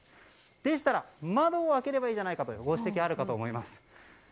でしたら、窓を開ければいいじゃないかというご指摘があるかと思います。